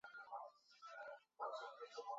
刘逸明再次就此事件发表评论文章。